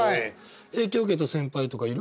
影響受けた先輩とかいる？